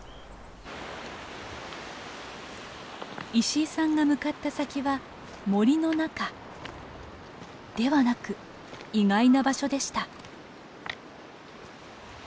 石井さんが向かった先は森の中ではなく意外な場所でした。